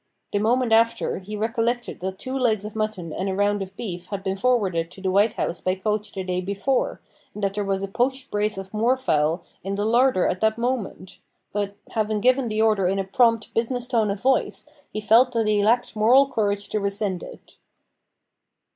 The moment after, he recollected that two legs of mutton and a round of beef had been forwarded to the White House by coach the day before, and that there was a poached brace of moor fowl in the larder at that moment; but, having given the order in a prompt, business tone of voice, he felt that he lacked moral courage to rescind it.